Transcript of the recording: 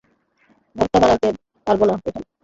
ভর্তা বানাতে পারবো না এখানে।